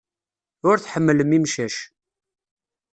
Ur tḥemmlem imcac.